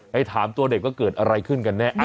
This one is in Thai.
ไปถามตัวเด็กว่าเกิดอะไรขึ้นกันแน่